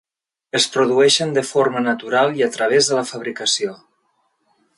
Es produeixen de forma natural i a través de la fabricació.